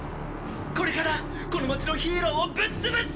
これからこの街のヒーローをぶっ潰す！